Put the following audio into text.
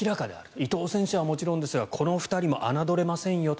伊藤選手はもちろんですがこの２人も侮れませんよと。